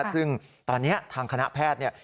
ซึ่งตอนนี้ทางคณะแพทย์เนี่ย